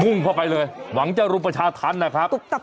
่งเข้าไปเลยหวังจะรุมประชาธรรมนะครับ